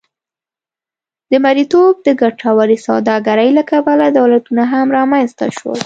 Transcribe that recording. د مریتوب د ګټورې سوداګرۍ له کبله دولتونه هم رامنځته شول.